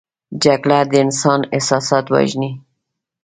جګړه د انسان احساسات وژني